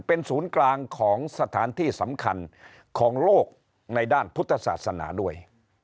เป็นศูนย์กลางของสถานที่สำคัญของโลกในด้านพุทธศาสนาด้วย